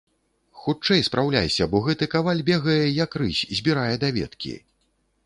Хутчэй спраўляйся, бо гэты каваль бегае, як рысь, збірае даведкі.